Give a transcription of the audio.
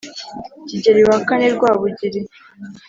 kigeli wa kane rwabugili